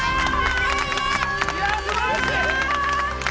いやー、すばらしい。